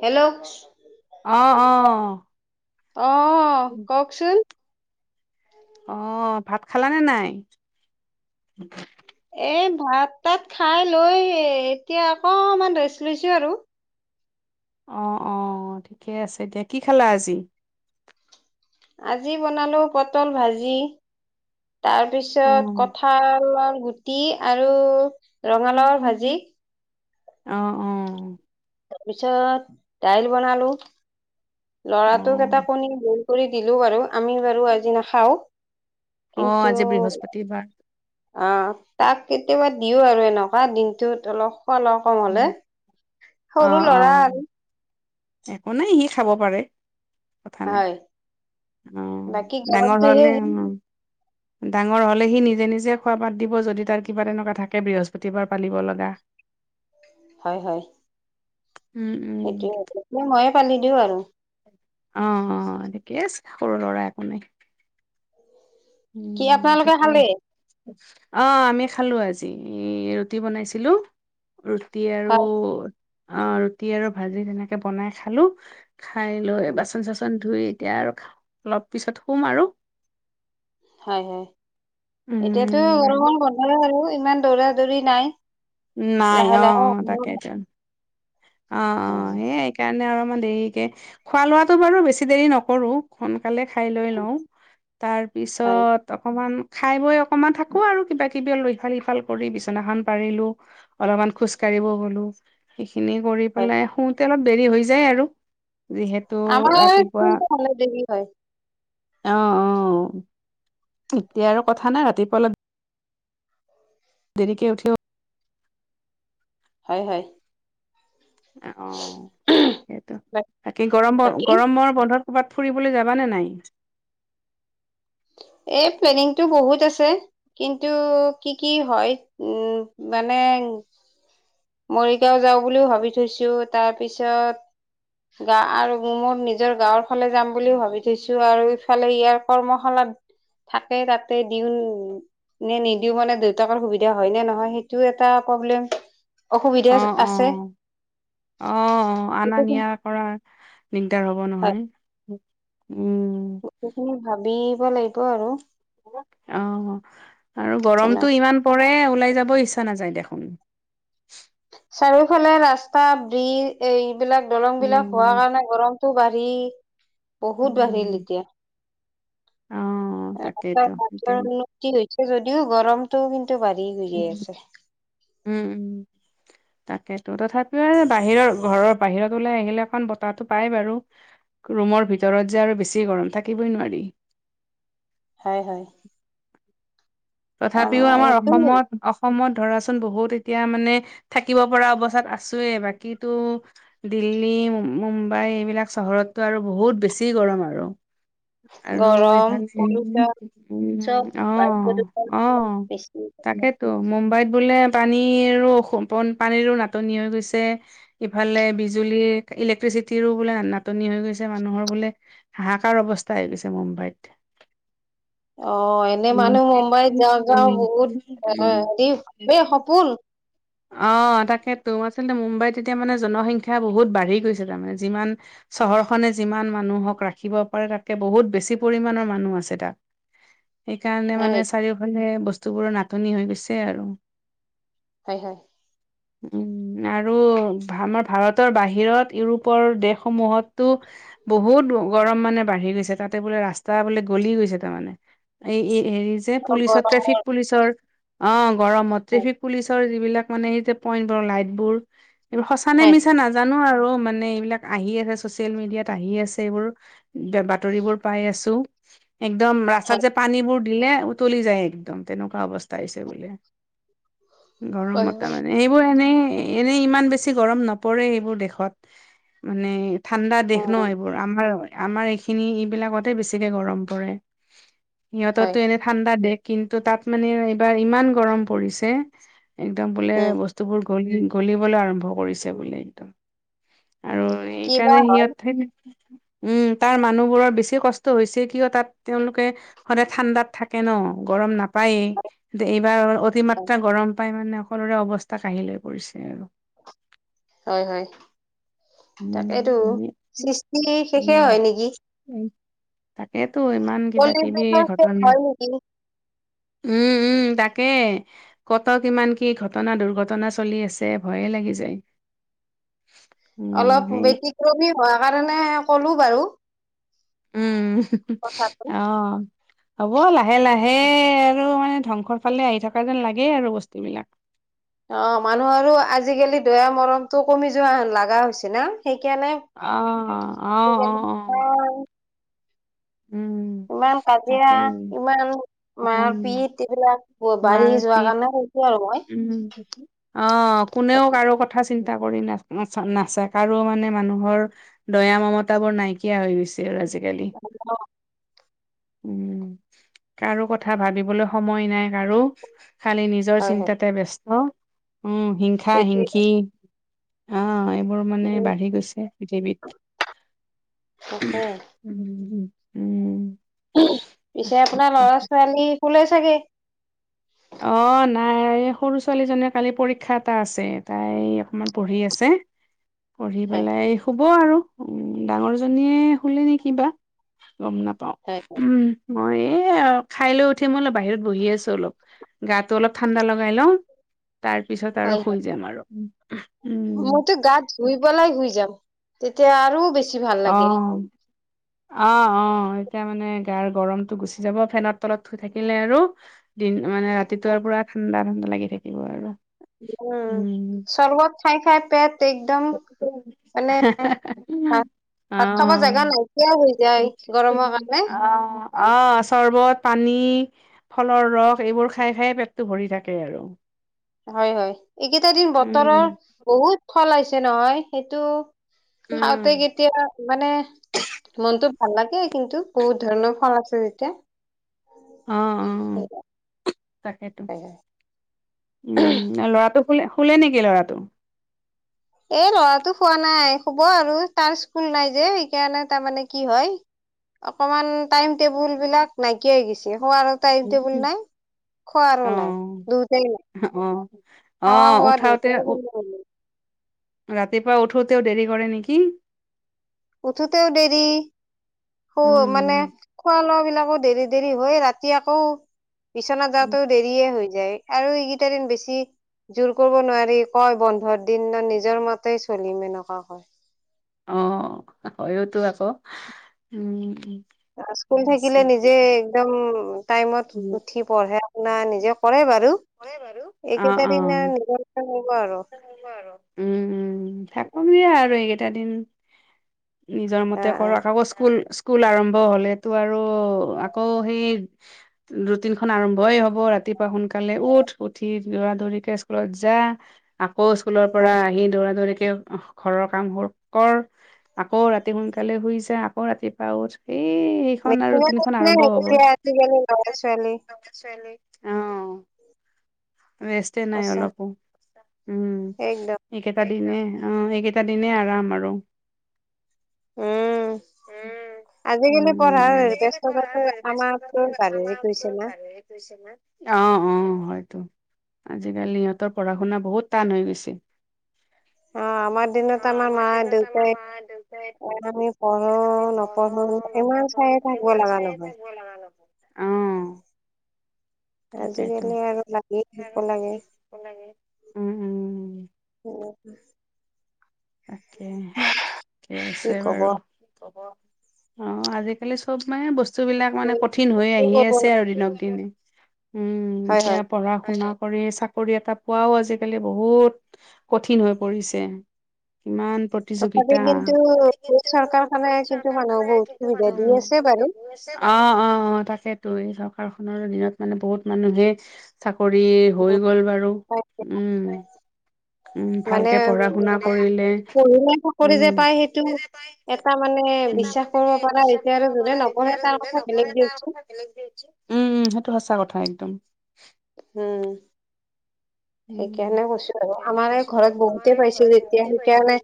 Hello. অ অ। অঁ' কওকচোন। অঁ' ভাত খালানে নাই? এই ভাত-তাত খাই লৈ এতিয়া অকমান ৰেষ্ট লৈছো আৰু। অঁ অঁ ঠিকে আছে দিয়া, কি খালা আজি? আজি বনালো পটল ভাজি। অ', তাৰপিছত কঁঠালৰ গুট- টি আৰু ৰঙালাওৰ ভাজি। অঁ অঁ' তাৰপিছত দাইল বনালো। লৰাটোক অ', এটা কণী বৈল- কৰি দিলো বাৰু আমি বাৰু আজি নাখাও। অঁ' আজি বৃহস্পতিবাৰ। অঁ' তাক কেতিয়াবা দিও আৰু এনেকুৱা দিনটোত অলপ খল- কম হলে অ', সৰু ল'ৰা অ', আৰু। একো নাই সি খাব পাৰে। হয়। উম' বাকী ডাঙৰ গৰমটোহে হলে যি উম'। ডাঙৰ হলে সি নিজে নিজে খোৱা বাদ দিব যদি তাৰ কিবা তেনেকুৱা থাকে বৃহস্পতিবাৰ পালিব লগা। [inaudible] হয় হয়। উম, উম, সেইটোয়ে এটো ময়ে পালি দিওঁ আৰু। অঁ অঁ থিকে আছে, সৰু ল'ৰা একো নাই। কি উম' আপোনালোকে ঠিকে খালে আছে। অঁ' আমি খালো আজি ৰুটি বনাইছিলো। ৰুটি আৰু হয় অঁ ৰুটি আৰু ভাজি তেনেকে বনাই খালো। খাই লৈ বাচন-চাচন ধুই এতিয়া আৰু অলপ পিছত শুম আৰু। হয় হয়, এতিয়াতো উম গৰমত বন্ধৰে আৰু ইমান দৌৰা-দৌৰি নাই। নাই অ লাহে লাহে। অঁ অঁ হয় সেইয়ে এইকাৰণে অলমান দেৰিকে, খোৱা লোৱাটো বাৰু বেছি দেৰি নকৰো। সোনকালে খাই লৈ লওঁ তাৰ হয় পিছত, অকমান খাই বৈ অকমান থাকো আৰু কিবা কিবি লৈ ফাল সিফাল কৰি বিছনাখন পাৰিলো। অলমান খোজ কঢ়িব গ'লো। সেইখিনি কৰি হয় পেলাই শুওঁতে অলপ দেৰি হৈ যায় আৰু যিহেত- আমাৰ কোনটো হলে বেবি হয়? অঁ অঁ, এতিয়া আৰু কথা নাই ৰাতিপুৱালে- দেৰিকে উঠিও- হয় হয়। অঁ তাকেইতো, তাকে গৰম ব বাকী গৰমৰ বন্ধত- ক'বাত ফুৰিবলে যাবা নে নাই? এই প্লেনিংটো বহুত আছে। কিন্তু, কি কি হয়? উম' মানে- মৰিগাঁও যাওঁ বুলিও ভাবি থৈছো, তাৰ পিছত- গা আৰু মো মোৰ নিজৰ গাঁওৰ ফালে যাম বুলিও ভাবি থৈছো আৰু ইফালে ইয়াৰ কৰ্মশালাত- থাকে তাতে দিওঁন- নে নিদিওঁ মানে দুইতাকৰ সুবিধা হয় নে নহয় সেইটোও এটা প্ৰব্লেম। অসুবিধা অঁ আছে। অঁ, অঁ অঁ, আনা নিয়াত। কৰা দিগদাৰ হ'ব হয় নহয় উম। সেইখিনি ভাবিব লাগিব আৰু। অ', আৰু যেন গৰমটো ইমান পৰে ওলাই যাব ইচ্ছা নাযায় দেখোন। চাৰিওফালে ৰাস্তা ব্ৰিজ এই এইবিলাক দলংবিলাক হোৱা উম কাৰণে গৰম টো বাঢ়ি বহুত বাঢ়িল উম এতিয়া। অ'। ৰাস্তা তাকেইতো এতিয়া ঘাটৰ উন্নতি হৈছে যদিও গৰমটোও কিন্তু বাঢ়ি গৈয়ে আছে। উম, উম। তাকেতো তথাপিও বাহিৰৰ ঘৰৰ বাহিৰত ওলাই আহিলে অকণ বতাহটো পাই বাৰু। ৰুমৰ ভিতৰত যে আৰু বেছি গৰম থাকিবই নোৱাৰি। হয়, হয়। তথাপিও আমাৰ এইটো অসমত অস অসমত ধৰাচোন বহুত এতিয়া মানে থাকিব পৰা অৱস্থাত আছোয়ে, বাকীতো দিল্লী, মুম্বাই এইবিলাক চহৰতটো আৰু বহুত বেছি গৰম আৰু। আৰু গৰম এইফালে পলিউচন উম চব উম বায়ু অ'। প্ৰদূষণ অ', বেছি তাকে টো মুম্বাইত বোলে পানীৰো [unintelligible] পানীৰো নাটনি হৈ গৈছে। ইফালে বিজুলী ইলেক্ট্ৰিচিটিৰো বোলে নাটনি হৈ গৈছে মানুহৰ বোলে। হাহাকাৰ অৱস্থা হৈ গৈছে মুম্বাইত। অ', এনে উম, মানুহ মুম্বাইত যাওঁ যাওঁ বহুত এ উম, হেৰি [unintelligible] সপোন। অ', তাকেটো আচলতে মুম্বাইত এতিয়া মানে জনসংখ্যা বহুত বাঢ়ি গৈছে তাৰমানে। যিমান চহৰখনে যিমান মানুহক ৰাখিব পাৰে তাতকে বহুত বেছি পৰিমণৰ মানুহ আছে তাত। সেইকাৰণে মানে হয় চাৰিওফালে বস্তুবোৰৰ নাটনি হৈ গৈছে আৰু। হয়, হয়। উম, আৰু আমাৰ ভাৰতৰ বাহিৰত ইউৰোপৰ দেশসমূহতো বহুত গৰম মানে বাঢ়ি গৈছে তাতে বোলে ৰাস্তা বোলে গলি গৈছে তাৰমানে। এই এই হেৰি যে অ পুলিচৰ ট্ৰেফিক গৰমৰ পুলিচৰ অ' গৰমত ট্ৰেফিক পুলিচ যিবিলাক মানেই এই পয়েন্টৰ লাইটবোৰ এইবোৰ সচা নে হয় মিছা না জানো আৰু মানে এইবিলাক আহি আছে চ'চিয়েল মিডিয়াত আহি আছে এইবোৰ। বাতৰিবোৰ পাই আছো। একদম হয় ৰাস্তাত যে পানীবোৰ দিলে উতলি যায় একদম তেনেকুৱা অৱস্থা হৈছে বোলে। গৰমতে মানে। সেইবোৰ এনেই এনেই ইমান বেছি গৰম নপৰে এইবোৰ দেশত মানে ঠাণ্ডা অ দেশ ন এইবোৰ আমাৰ আমাৰ এইখিনি এইবিলাকতে বেছিকে গৰম পৰে। হয় সিহঁতটো এনে ঠাণ্ডা দেশ কিন্তু তাত মানে এইবাৰ ইমান গৰম পৰিছে। একদম বোলে হয় বস্তুবোৰ গলি গলিবলৈ আৰম্ভ কৰিছে বোলে একদম। আৰু কিবা এইকাৰণে সিহঁত উম, তাৰ মানুহবোৰৰ বেছি কষ্ট হৈছে কিয় তাত তেওঁলোকে সদায় ঠাণ্ডাত থাকে ন গৰম নাপায়েই। এইবাৰ অতি মাত্ৰা গৰম পাই মানে সকলোৰে অৱস্থা কঢ়িল হৈ পৰিছে আৰু। হয়, হয়। উম, তাকেটো আমি সৃষ্টি শেষে হয় নেকি! উম, তাকেটো ইমান কিবা কলিৰ কিবি যুগৰ শেষ ঘটনা। হয় নেকি উম, উম তাকে। ক'ত কিমান কি ঘটনা দুৰ্ঘটনা চলি আছে ভয়ে লাগি যায়। উম, অলপ সেই ব্যতিক্ৰমী হোৱা কাৰণে ক'লো বাৰু। উম কথাটো অ হ'ব লাহে লাহে আৰু মানে ধ্বংসৰ ফালে আহি থকা যেন লাগে আৰু বস্তু বিলাক অ মানুহৰো আজিকালি দয়া মৰমটো কমি যোৱা হেন লগা হৈছে না সেইকাৰণে অ অ অ অ উম- উম। ইমান কাজিয়া, তাকেই। ইমান অ', মাৰপিত, এইবিলাক বাঢ়ি মাৰ যোৱাৰ পিত কাৰণে হৈছে। কি লওঁক মইও উ। [inaudible] উম, অ, কোনেও কাৰো কথা। কথা চিন্তা কৰি ন নাচায় কাৰো মানে মানুহৰ দয়া মমতা বোৰ নাইকিয়া হৈ গৈছে আৰু আজিকালি। অ। কাৰো কথা ভাবিবলৈ, সময় নাই কাৰো খালি নিজৰ হয় হয় চিন্তাতে ব্যস্ত, উম। হিংসা- সেইটোৱে হিনখি আহ, এইবোৰ মানে উম, বাঢ়ি গৈছে পৃথিৱীত। তাকে উম- উম- উম। পিছে, আপোনাৰ তাকেইতো লৰা ছোৱালী শুলে চাগে? অ নাই, এই সৰু ছোৱালীজনীয়ে কালি পৰীক্ষা এটা আছে। তাই অকমান পঢ়ি আছে। [inaudible] পঢ়ি হয় পেলাই শুব আৰু। উম, ডাঙৰ জনীয়ে শোলে নে কিবা গম নাপাওঁ। হয় হয় উম, মই এই খাই লৈ উঠি, অলপ বাহিৰত বহি আছো অলপ। গাটো অলপ ঠাণ্ডা লগাই লওঁ। তাৰ পিছত আৰু হয় শুই হয় যাম আৰু উম। মইতো গাত [inaudible] পেলাই শুই যাম তেতিয়া আৰু বেছি ভাল অ লাগে। অ- অ, এতিয়া মানে গাৰ গৰমটো গুচি যাব ফেনত তলত শুই থাকিলে আৰু। দিন মানে ৰাতিটো পুৰা ঠাণ্ডা- ঠাণ্ডা লাগি থাকিব আৰু। উম, চৰবত খাই -খাই পেট একদম মানে। ভাত- অ ভাত খাব জাগা নাইকিয়াই হৈ যায় গৰমৰ কাৰণে। অ অ, চৰবত, পানী। ফলৰ ৰস, এইবোৰ খাই- খাই পেটটো ভৰি থাকে আৰু। হয়- হয়, এইকেইটা দিন বতৰৰ উম বহুত ফল আহিছে নহয় সেইটো উম খাওঁতে তেতিয়া মানে মনটো, ভাল লাগে কিন্তু বহুত ধৰণৰ ফল আছে যেতিয়া। তাকেটো উম, আৰু ল'ৰাটো শ শুলে নেকি লৰাটো? এ ল'ৰাটো শোৱা নাই, শোৱ আৰু তাৰ স্কুল নাই যে, সেইকাৰণে তাৰমানে কি হয়? অকমান টাইম টেবুল বিলাক নাইকিয়া হৈ গৈছে হোৱাৰো টাইম টেবুল নাই। অ খোৱাৰো নাই দুতে নাই অ অ খোৱা শোৱা উঠাওতে দুট ৰাতিপুৱা উঠোতেও দেৰি কৰে নেকি। উঠোতেও দেৰি সো মানে উম খোৱা লোৱা বিলাকো দেৰি দেৰি হয় ৰাতি আকৌ বিছনাত যাওতেঁও দেৰিয়ে হৈ যায় আৰু এইকেইটা দিন বেছি জোৰ কৰিব নোৱাৰি কয় বন্ধৰ দিন ন নিজৰ মতেই চলিম এনেকুৱা কয়। অ', হয়তো আকৌ উম। স্কুল থাকিলে নিজে একদম টাইমত উঠি পঢ়া শুনা নিজে কৰে বাৰু কৰে বাৰু এইকেইটা দিন নিজৰ হব আৰু কৰিব আৰ উম, থাকোমে আৰু এইকেইটা দিন। নিজৰ অ মতে অ কৰক আকৌ স্কুল স্কু স্কুল আৰম্ভ হলেতো আৰু আকৌ সি ৰুটিন খন আৰম্ভই হ'ব ৰাতিপুৱা সোনকা কালে উঠ উঠি দৌৰা দৌৰিকে স্কুলত যা আকৌ স্কুলৰ পৰা হয় আহি দৌৰা দৌৰিকে অহ ঘৰৰ কাম বোৰ কৰ, আকৌ ৰাতি সোনকালে শুই যায়, আকৌ ৰাতিপুৱা উঠ। সেই, এইখন আৰু মেচিনত ৰুটিনখন নে আৰম্ভ হ'বই এতিয়া আজিকালি ল'ৰা ছোৱালী ছোৱালীক অ। ৰেষ্টে নাই সঁচা অলপো সচাঁ উম। একদম এইকেইটা দিনে অ' এইকেইটা দিনে আৰাম আৰু। উম। আজিকালি পঢ়াৰ বস্ততাটো আমাৰ কৈ বাঢ়িহে গৈছে না। অ', অ', হয়তো। আজিকালি ইহঁতৰ পঢ়া শুনা বহুত টান হৈ গৈছে। অ', আমাৰ দিনত আমাৰ মা দেউতাই এ আমি পঢ়ো নপঢ়ো ইমান চাই থাকবা লগা নহয়। [unintelligible] অ'। তাকেইটো আজিকালি আৰু লাগিয়ে থাকিব লাগে উম, উম। [unintelligible] তাকে থিকে কি আছে কব বাৰু কি কব। অ', আজিকালি চব মানে বস্ বস্তু বিলাক মানে কঠিন হৈ আহি আছে আৰু দিনক দিনে উম, হয় এতিয়া হয় পঢ়া শুনা কৰি চাকৰি এটা পোৱাও আজিকালি বহুত কঠিন হৈ পৰিছে। কিমান প্ৰত তথাপি কিন্তু এই চৰকাৰখনে কিন্তু মানুহক বহুত সুবিধা দি আছে বাৰু। অ', অ', অ', তাকেতো এই চৰকাৰ খনৰ দিনত মানে বহুত মানুহে চাকৰি হৈ গ'ল বাৰু উম, উম, মানে ভালকে পঢ়া শুনা কৰিলে পঢ়িলে চাকৰি যে উম পায় সেইটো এটা মানে বিশ্বাস কৰিব পৰা হৈছে আৰু যোনে নপঢ়ে তাৰ কথা বেলেগ দিয়কচোন। বেলেগ দিয়কচোন উম, উম, সেইটো সঁচা কথা একদম। হুম। [inaudible] সেইকাৰণে কৈছো আৰু আমাৰ এই ঘৰত বহুতে পাইছে যেতিয়া সেইকাৰণে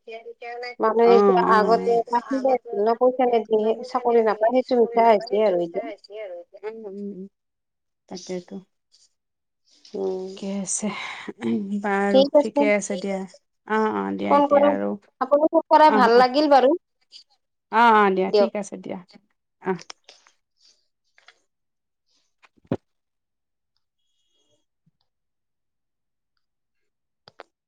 মানুহে অ', এতিয়া অ আগতে [unintelligible] না পইচা নিদিলে চাকৰি নাপায় সেই [unintelligible] হৈছে আৰ কিমান উম, উম তাকেইটো। উম এ আছে উম, বাৰু ঠিকে আছে দিয়া অ', অ', দিয়া এতিয়া আৰু পৰা অ', ভাল অ', লাগিল বাৰু। অ', অ', দিয়া দিয়ক ঠিক আছে দিয়া অহ।